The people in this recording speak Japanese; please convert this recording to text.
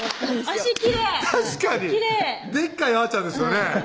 脚きれい確かにでっかいあちゃんですよね